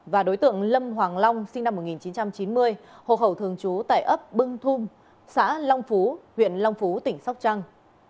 và đối tượng lâm hoàng long sinh năm một nghìn chín trăm chín mươi hồ khẩu thường trú tại ấp bưng thung xã long phú huyện long phú tỉnh sóc trăng